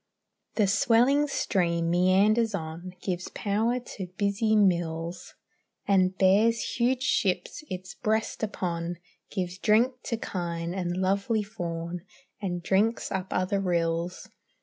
The swelling stream meanders on, Gives power to busy mills, And bears huge ships its breast upon, Gives drink to kine and lovely fawn, And drinks up other rills.